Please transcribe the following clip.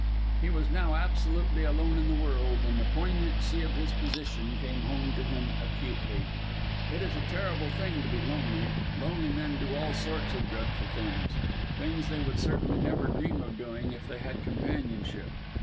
He was now absolutely alone in the world, and the poignancy of his position came home to him acutely. It is a terrible thing to be lonely. Lonely men do all sorts of dreadful things things they would certainly never dream of doing if they had companionship.